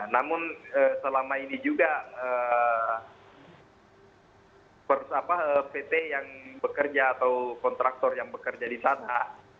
namun selama ini juga pt yang bekerja atau kontraktor yang bekerja di sana